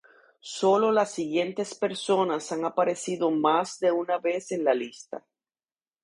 Solo las siguientes personas han aparecido más de una vez en la lista.